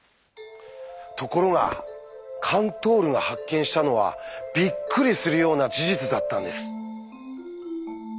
ところがカントールが発見したのはびっくりするような事実だったんです。